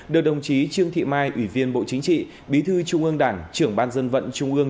được đồng chí trương thị mai ủy viên bộ chính trị bí thư trung ương đảng trưởng ban dân vận trung ương